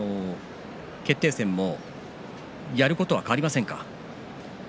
決定戦もやることは変わりませんか。